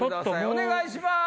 お願いします！